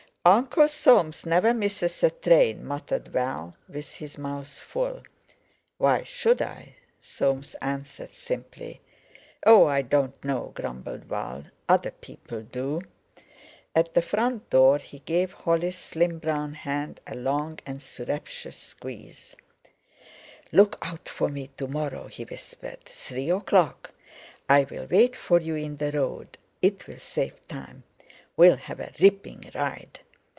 "Uncle Soames never misses a train," muttered Val, with his mouth full. "Why should I?" Soames answered simply. "Oh! I don't know," grumbled Val, "other people do." At the front door he gave Holly's slim brown hand a long and surreptitious squeeze. "Look out for me to morrow," he whispered; "three o'clock. I'll wait for you in the road; it'll save time. We'll have a ripping ride."